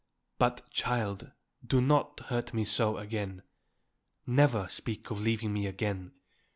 But, child, do not hurt me so again. Never speak of leaving me again.